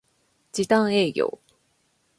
時短営業